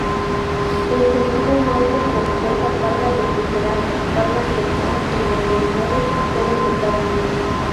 En sentido norte transporta carga refrigerada, carga general en contenedores y cobre metálico.